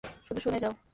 শুধু শুনে যাও!